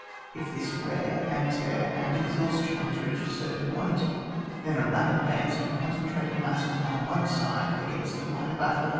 If this wear and tear and exhaustion has reached a certain point, then a rapid advance in concen trated masses on one side against the line of battle